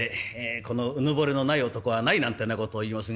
このうぬぼれのない男はないなんてな事を言いますが。